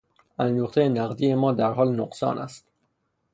اندوختهی نقدی ما در حال نقصان است.